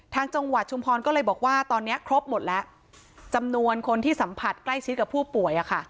จังหวัดชุมพรก็เลยบอกว่าตอนนี้ครบหมดแล้วจำนวนคนที่สัมผัสใกล้ชิดกับผู้ป่วย